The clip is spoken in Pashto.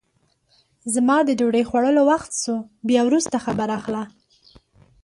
زما د ډوډۍ خوړلو وخت سو بیا وروسته خبر اخله!